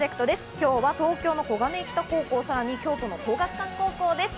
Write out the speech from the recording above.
今日は東京の小金井北高校、さらに京都の廣学館高校です。